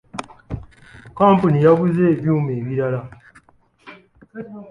Kkampuni yaguze ebyuma ebirala.